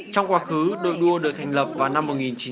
trong quá khứ đội đua được thành lập vào năm một nghìn chín trăm bảy mươi